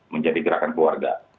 menjadi gerakan keluarga